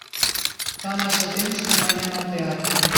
Fa massa temps que no anem al teatre.